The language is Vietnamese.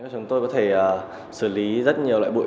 chúng tôi có thể xử lý rất nhiều loại bụi